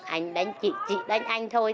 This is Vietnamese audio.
anh đánh chị chị đánh anh thôi